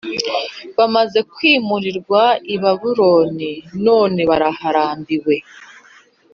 Bamaze kwimurirwa ibaburoni, none baraharambiwe